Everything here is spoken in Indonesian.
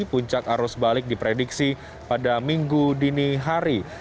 puncak arus balik diprediksi pada minggu dini hari